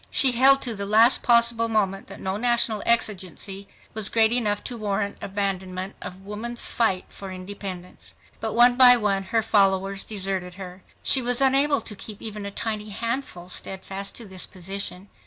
She held to the last possible moment that no national exigency was great enough to warrant abandonment of woman's fight for independence. But one by one her followers deserted her. She was unable to keep even a tiny handful steadfast to this position.